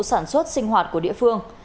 sản xuất sinh hoạt của địa phương